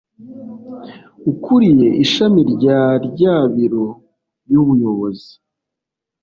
Ukuriye ishami rya rya biro y’Ubuyobozi